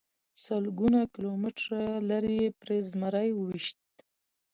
سلګونه کیلومتره لرې یې پرې زمری وويشت.